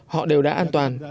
họ đều đã an toàn